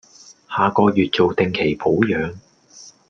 下個月做定期保養